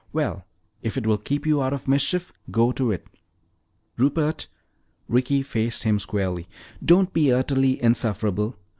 Well, if it will keep you out of mischief, go to it." "Rupert," Ricky faced him squarely, "don't be utterly insufferable.